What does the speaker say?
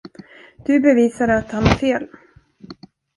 Du bevisade att han har fel.